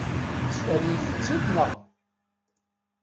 Tesfehmemt-tt-id, naɣ?